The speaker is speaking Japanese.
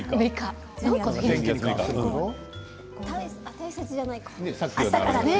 大雪じゃないか。